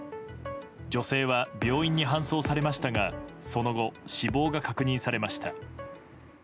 女性は病院に搬送されましたがその後、死亡が確認されました。